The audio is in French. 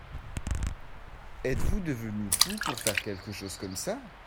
Êtes-vous devenu fou pour faire quelque chose comme ça ?